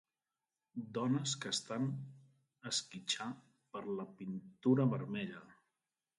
Dones que estan esquitxar per la pintura vermella